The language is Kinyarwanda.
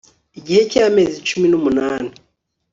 igihe cyamezi cumi numunani